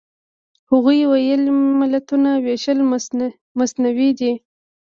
هغوی ویل ملتونو وېشل مصنوعي دي.